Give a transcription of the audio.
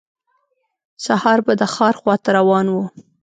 سهار به د ښار خواته روان و.